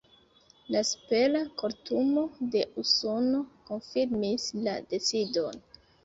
La Supera Kortumo de Usono konfirmis la decidon.